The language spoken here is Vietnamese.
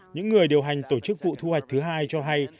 những người điều hành tổ chức vụ thu hoạch thứ hai cho hay